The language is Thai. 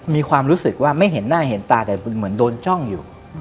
มีความรู้สึกว่าไม่เห็นหน้าเห็นตาแต่เหมือนโดนจ้องอยู่